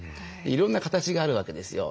いろんな形があるわけですよ。